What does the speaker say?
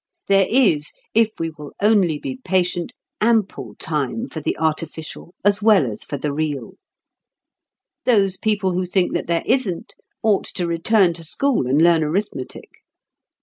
There is, if we will only be patient, ample time for the "artificial" as well as for the "real." Those persons who think that there isn't, ought to return to school and learn arithmetic.